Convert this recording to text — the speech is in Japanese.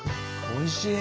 おいしい！